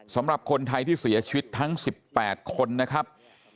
สำหรับคนไทยที่เสียชีวิตทั้ง๑๘คนนะครับ